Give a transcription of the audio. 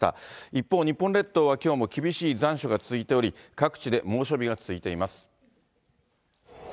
一方、日本列島はきょうも厳しい残暑が続いており、各地で猛暑日が続いています。